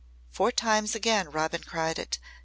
four times again Robin cried it.